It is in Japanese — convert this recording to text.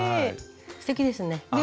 すてきですね。